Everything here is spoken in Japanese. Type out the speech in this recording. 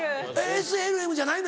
ＳＬＭじゃないの？